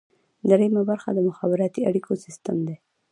دریمه برخه د مخابراتي اړیکو سیستم دی.